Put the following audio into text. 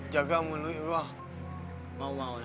jaga mului luah